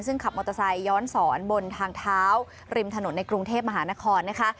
ซึ่งขับมอเตอร์ไซค์ย้อนสอนบนทางเท้าริมถนนในกรุงเทพมหานครนะคะ